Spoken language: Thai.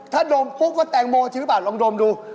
ถ้าดมปุ๊บก็แตงโมจริงหรือเปล่าลองดมดู